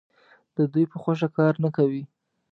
د دوی په خوښه کار نه کوي.